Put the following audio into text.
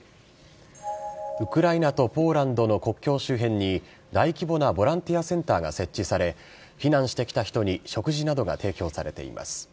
ウクライナとポーランドの国境周辺に、大規模なボランティアセンターが設置され、避難してきた人に食事などが提供されています。